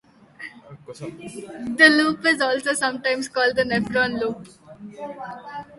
The loop is also sometimes called the Nephron loop.